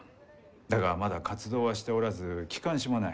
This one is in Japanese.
だがまだ活動はしておらず機関誌もない。